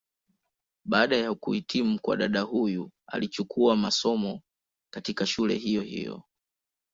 Baada ya kuhitimu kwa dada huyu alichukua masomo, katika shule hiyo hiyo.